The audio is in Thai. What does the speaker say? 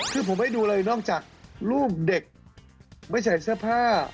คือผมไม่ดูเลยนอกจากรูปเด็กไม่ใส่เสื้อผ้า